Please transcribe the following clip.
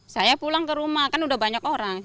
saya pulang ke rumah kan udah banyak orang